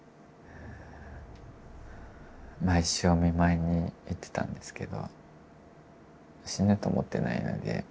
毎週お見舞いに行ってたんですけど死ぬと思ってないのでそんなに心配もしてなくて。